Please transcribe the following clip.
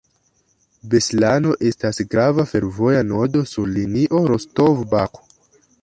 Beslano estas grava fervoja nodo sur linio Rostov—Baku.